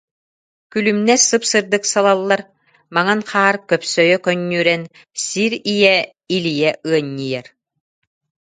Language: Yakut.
Күлүмнэс сып-сырдык салаллар, Маҥан хаар көпсөйө көнньүөрэн, Сир ийэ илийэ ыанньыйар